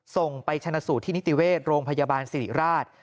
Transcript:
ส่งไปชนะสูตรที่นิติเวชโรงพยาบาลสิริราช